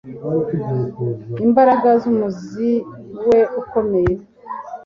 imbaraga zumuzi we ukomeye